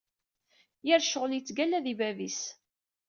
Yir ccɣel yettgalla di bab-is.